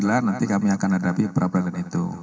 nanti kami akan hadapi perapelan itu